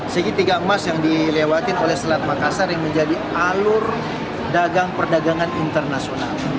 segitiga emas yang dilewatin oleh selat makassar yang menjadi alur dagang perdagangan internasional